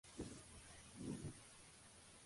Así de simple, así de importante.